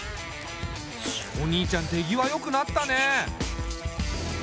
お兄ちゃん手際よくなったね。